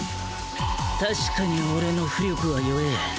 確かに俺の巫力は弱ぇ。